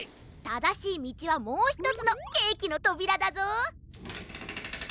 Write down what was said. ただしいみちはもうひとつのケーキのとびらだぞ。